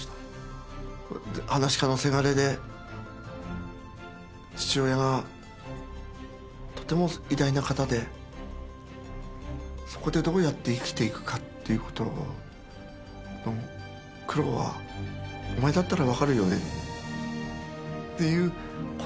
噺家のせがれで父親がとても偉大な方でそこでどうやって生きていくかっていうことの苦労はお前だったら分かるよねっていうことを教えて下さったのかな。